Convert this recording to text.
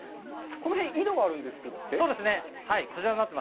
この辺、井戸があるんですって。